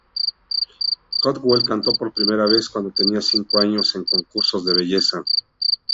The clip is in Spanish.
Caldwell cantó por primera vez cuando tenía cinco años en concursos de belleza.